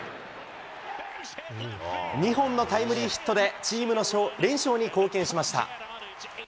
２本のタイムリーヒットで、チームの連勝に貢献しました。